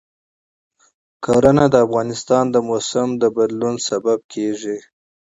زراعت د افغانستان د موسم د بدلون سبب کېږي.